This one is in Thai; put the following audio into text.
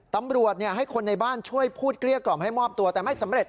ตำรวจให้คนในบ้านช่วยพูดเกลี้ยกล่อมให้มอบตัวแต่ไม่สำเร็จ